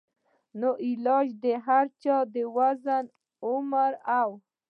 نو علاج د هر چا د وزن ، عمر او